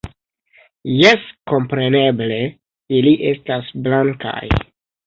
- Jes, kompreneble, ili estas blankaj...